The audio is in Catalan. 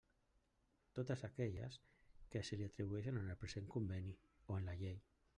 Totes aquelles que se li atribueixen en el present Conveni o en la Llei.